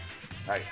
はい。